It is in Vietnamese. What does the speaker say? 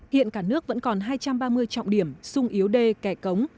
hiện cả nước vẫn còn hai trăm ba mươi trọng điểm sung yếu đê kẻ cống